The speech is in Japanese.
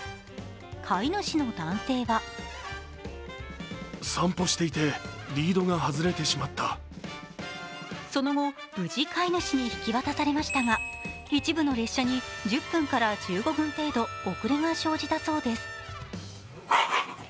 飼い主の男性はその後、無事、飼い主に引き渡されましたが、一部の列車に１０分から１５分程度遅れが生じたそうです。